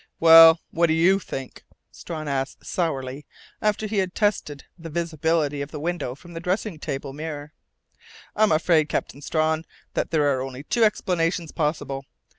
"Well what do you think?" Strawn asked sourly, after he had tested the visibility of the window from the dressing table mirror. "I'm afraid, Captain Strawn, that there are only two explanations possible.